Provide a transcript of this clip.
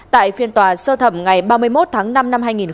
tại phiên tòa sơ thẩm ngày ba mươi một tháng năm năm hai nghìn một mươi chín